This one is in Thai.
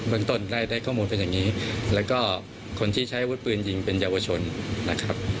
เมืองต้นได้ได้ข้อมูลเป็นอย่างนี้แล้วก็คนที่ใช้อาวุธปืนยิงเป็นเยาวชนนะครับ